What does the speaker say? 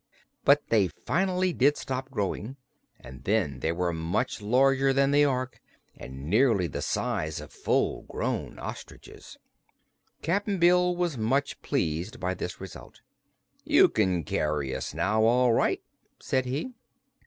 But they finally did stop growing, and then they were much larger than the Ork, and nearly the size of full grown ostriches. Cap'n Bill was much pleased by this result. "You can carry us now, all right," said he.